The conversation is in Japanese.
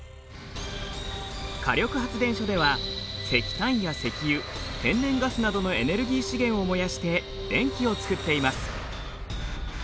火力発電所では石炭や石油天然ガスなどのエネルギー資源を燃やして電気を作っています。